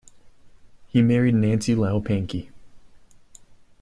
He married Nancy Lou Pankey.